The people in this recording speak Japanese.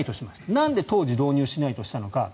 なんで当時導入しないとしたのか。